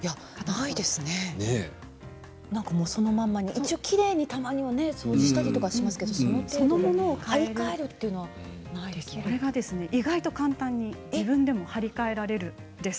一応、きれいにたまには掃除したりしますけれどもその程度で張り替えると意外と簡単に自分でも張り替えられるんです。